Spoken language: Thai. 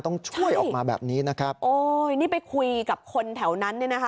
ต้องช่วยออกมาแบบนี้นะครับโอ้ยนี่ไปคุยกับคนแถวนั้นเนี่ยนะคะ